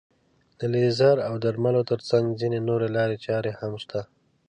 د لیزر او درملو تر څنګ ځينې نورې لارې چارې هم شته.